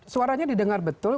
suaranya didengar betul